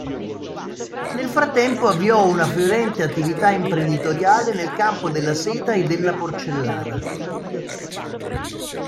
Nel frattempo avviò una fiorente attività imprenditoriale nel campo della seta e della porcellana.